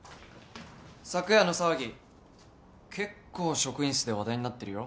昨夜の騒ぎ結構職員室で話題になってるよ。